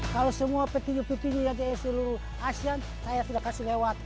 kalau semua peti peti yang seluruh asean saya tidak kasih lewat